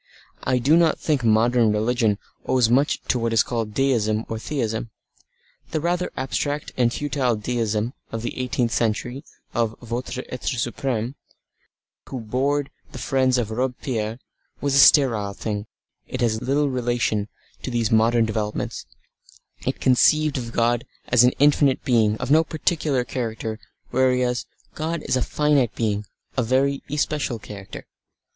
I do not think modern religion owes much to what is called Deism or Theism. The rather abstract and futile Deism of the eighteenth century, of "votre Etre supreme" who bored the friends of Robespierre, was a sterile thing, it has little relation to these modern developments, it conceived of God as an infinite Being of no particular character whereas God is a finite being of a very especial character.